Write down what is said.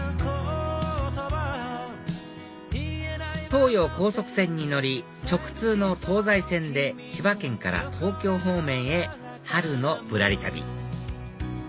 東葉高速線に乗り直通の東西線で千葉県から東京方面へ春のぶらり旅